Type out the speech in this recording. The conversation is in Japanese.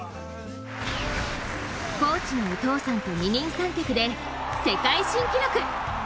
コーチのお父さんと二人三脚で世界新記録。